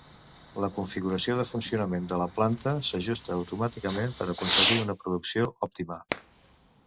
La configuració de funcionament de la planta s'ajusta automàticament per aconseguir una producció òptima.